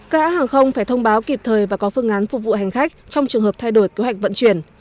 các hãng hàng không phải thông báo kịp thời và có phương án phục vụ hành khách trong trường hợp thay đổi kế hoạch vận chuyển